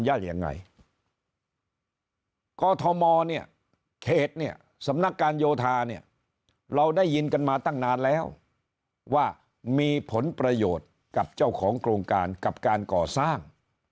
ยังไงกอทมเนี่ยเขตเนี่ยสำนักการโยธาเนี่ยเราได้ยินกันมาตั้งนานแล้วว่ามีผลประโยชน์กับเจ้าของโครงการกับการก่อสร้าง